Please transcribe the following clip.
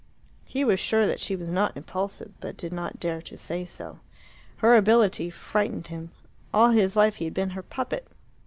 He was sure that she was not impulsive, but did not dare to say so. Her ability frightened him. All his life he had been her puppet.